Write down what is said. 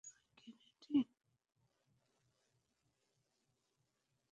তুমি কি রেডি?